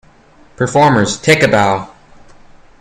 Performers, take a bow!